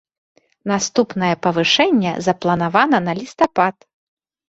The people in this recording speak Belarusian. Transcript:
Наступнае павышэнне запланавана на лістапад.